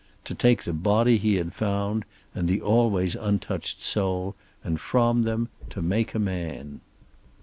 To take the body he had found, and the always untouched soul, and from them to make a man.